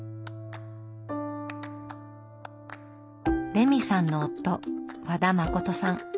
レミさんの夫和田誠さん。